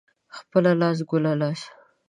خپله لاسه ، گله لاسه.